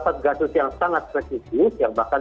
satgasus yang sangat spesifik yang bahkan